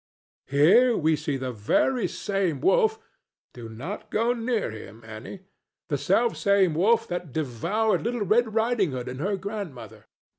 Here we see the very same wolf—do not go near him, Annie!—the selfsame wolf that devoured little Red Riding Hood and her grandmother.